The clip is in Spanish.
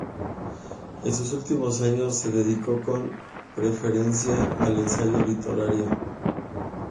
En sus últimos años se dedica con preferencia al ensayo literario.